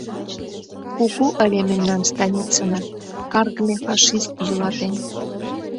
— Кугу ыле мемнан станицына, каргыме фашист йӱлатен!